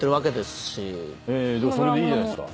それでいいじゃないですか。